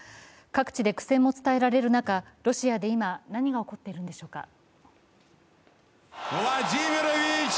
各地で苦戦も伝えられる中ロシアで今、何が起こっているのでしょうか。